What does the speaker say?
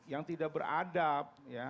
yang tidak beradab